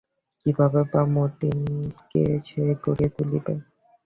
কীভাবেই বা মতিকে সে গড়িয়া তুলিবে?